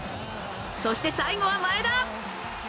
そして最後は前田。